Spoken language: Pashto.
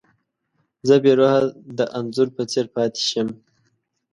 زه بې روحه د انځور په څېر پاتې شم.